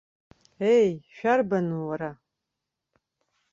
Еи, шәарбан, уара?